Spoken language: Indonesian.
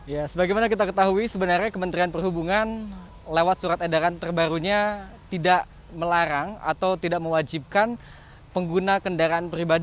ya sebagaimana kita ketahui sebenarnya kementerian perhubungan lewat surat edaran terbarunya tidak melarang atau tidak mewajibkan pengguna kendaraan pribadi